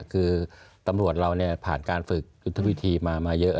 คือตำรวจเราผ่านการฝึกยุทธวิธีมาเยอะ